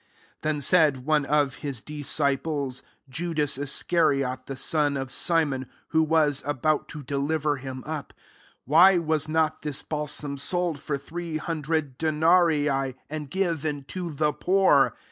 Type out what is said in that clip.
4 Then said one of his dis ciples, Judas Iscariot, rthe son of Simon,] who was about to deliver him up, 5 " Why was not this balsam sold for three hundred denarii,* and given to the poor?"